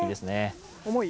重い？